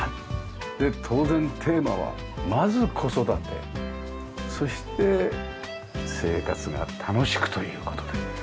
で当然テーマはまず子育てそして生活が楽しくという事で。